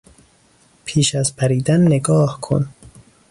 پیش از پریدن نگاه کن!